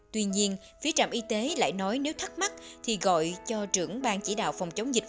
tuy nhiên phía trạm y tế lại nói nếu thắc mắc thì gọi cho trưởng bang chỉ đạo phòng chống dịch